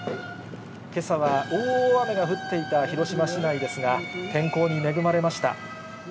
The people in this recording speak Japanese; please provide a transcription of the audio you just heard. けさは大雨が降っていた広島市内ですが、天候に恵まれました。